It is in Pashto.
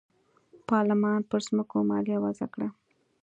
پارلمان پر ځمکو مالیه وضعه کړه.